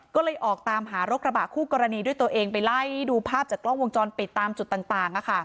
ก็เลยออกตามหารถกระบะคู่กรณีด้วยตัวเองไปไล่ดูภาพจากกล้องวงจรปิดตามจุดต่าง